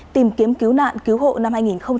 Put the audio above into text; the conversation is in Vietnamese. tìm kiếm cứu nạn cứu hộ năm hai nghìn hai mươi